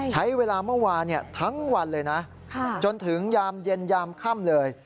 ใช้เวลาเมื่อวานทั้งวันเลยนะจนถึงยามเย็นยามค่ำเลย